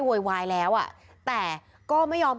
พ่อหยิบมีดมาขู่จะทำร้ายแม่